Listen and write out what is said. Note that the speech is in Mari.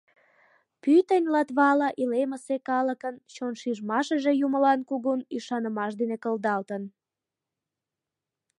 Пӱтынь Латвала илемысе калыкын чоншижмашыже Юмылан кугун ӱшанымаш дене кылдалтын.